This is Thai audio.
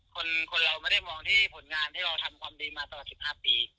คนเราไม่ได้มองที่ผลงานที่เราทำความดีมาตลอด๑๕ปี